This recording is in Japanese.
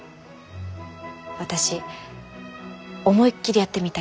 私思いっきりやってみたいです。